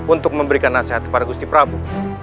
untuk memberikan nasihat kepada gusti prabu